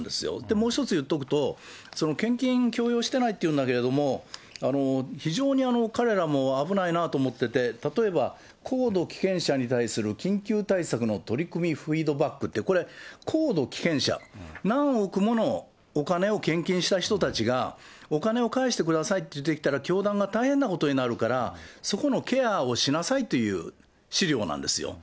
もう１つ言っとくと、献金強要してないっていうんだけど、非常に彼らも危ないなと思ってて、例えばこうどきけん者に対する緊急対策の取り組みフィードバックって、これ、こうどきけん者、何億ものお金を献金した人たちが、お金を返してくださいと言ってきたら、教団が大変なことになるから、そこのケアをしなさいという資料なんですよ。